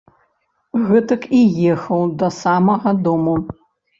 Гэтак і ехаў да самага дому.